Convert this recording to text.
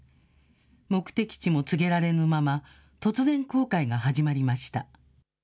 目的地も告げられぬまま、突然、航海が始まりました。